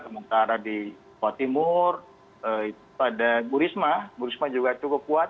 sementara di kota timur pada burisma burisma juga cukup kuat